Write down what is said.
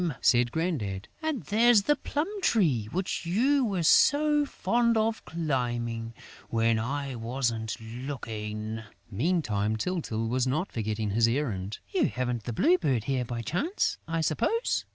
said Grandad. "And there's the plum tree which you were so fond of climbing, when I wasn't looking...." Meantime, Tyltyl was not forgetting his errand: "You haven't the Blue Bird here by chance, I suppose?"